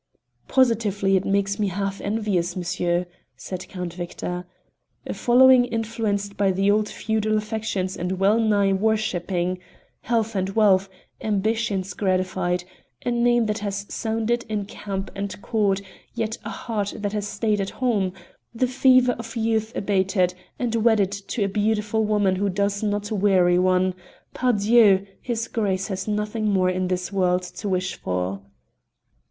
"Positively it makes me half envious, monsieur," said Count Victor. "A following influenced by the old feudal affections and wellnigh worshipping; health and wealth, ambitions gratified, a name that has sounded in camp and Court, yet a heart that has stayed at home; the fever of youth abated, and wedded to a beautiful woman who does not weary one, pardieu! his Grace has nothing more in this world to wish for."